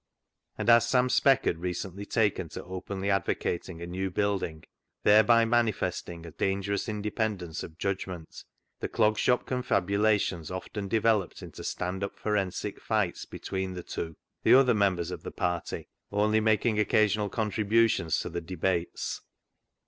And as Sam Speck had recently taken to openly ad vocating a new building, thereby manifesting a dangerous independence of judgment, the Clog Shop confabulations often developed into stand up forensic fights between the two, the other members of the party only making occasional contributions to the debates.